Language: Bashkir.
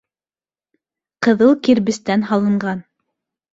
Ҡыҙыл кирбестән һалынған.